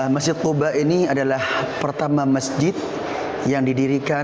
masjid kuba ini adalah pertama masjid yang didirikan